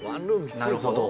なるほど。